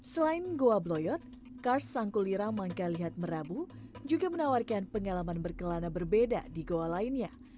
selain goa bloyot kars sangkulira mangka lihat merabu juga menawarkan pengalaman berkelana berbeda di goa lainnya